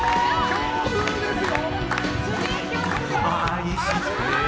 強風ですよ！